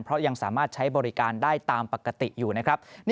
เพราะยังสามารถใช้บริการได้ตามปกติอยู่นะครับ